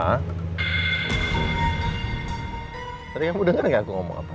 tadi kamu denger gak aku ngomong apa